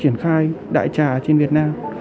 triển khai đại trà trên việt nam